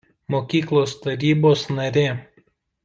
Mokyklos tarybos narė.